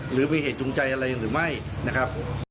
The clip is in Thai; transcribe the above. หรือมีเหตุฤียมใจอะไรอย่างนึงไม่นะครับ